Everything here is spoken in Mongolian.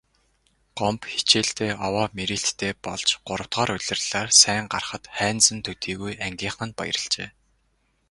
Гомбо хичээлдээ овоо мэрийлттэй болж гуравдугаар улирлаар сайн гарахад Хайнзан төдийгүй ангийнхан нь баярлажээ.